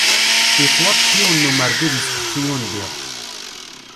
Yettwaṭṭef yiwen n umergu deg texfet i undiɣ.